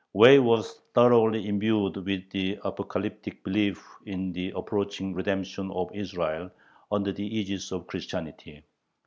Way was thoroughly imbued with the apocalyptic belief in the approaching redemption of Israel under the ægis of Christianity.